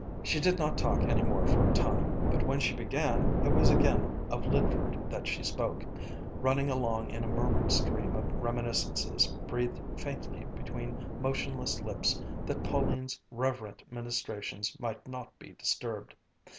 She did not talk any more for a time, but when she began, it was again of Lydford that she spoke, running along in a murmured stream of reminiscences breathed faintly between motionless lips that Pauline's reverent ministrations might not be disturbed.